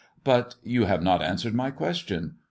But you have not answered my question.